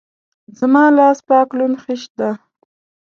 زما لاس پاک لوند خيشت ده.